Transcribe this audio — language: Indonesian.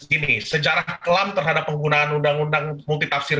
gini sejarah kelam terhadap penggunaan undang undang multitafsir